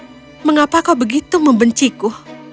saudariku mengapa mengapa kau begitu membenciku